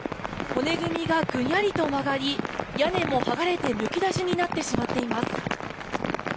骨組みがぐにゃりと曲がり屋根も剥がれてむき出しになってしまっています。